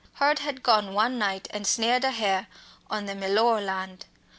Hurd had gone one night and snared a hare on the Mellor land.